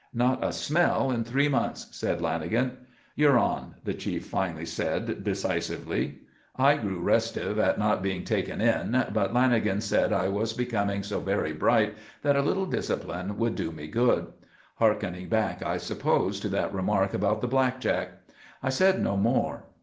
"Not a smell in three months," said Lanagan. "You're on," the chief finally said, decisively. I grew restive at not being taken "in," but Lanagan said I was becoming so very bright that a little discipline would do me good; harkening back, I suppose, to that remark about the blackjack. I said no more.